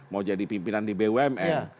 mau jadi pimpinan di bumn